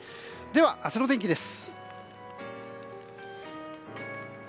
では、明日の天気です。